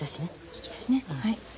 引き出しねはい。